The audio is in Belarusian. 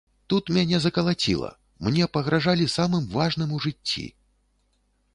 Тут мяне закалаціла, мне пагражалі самым важным у жыцці.